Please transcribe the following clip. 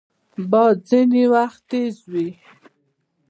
باد ځینې وخت تیز وي